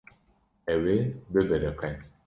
Ew ê bibiriqe.